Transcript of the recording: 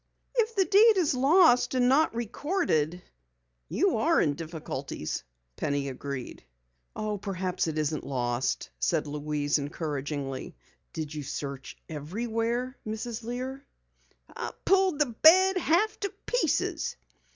"If the deed is lost and not recorded, you are in difficulties," Penny agreed. "Perhaps it isn't lost," said Louise, encouragingly. "Did you search everywhere, Mrs. Lear?" "I pulled the bed half to pieces."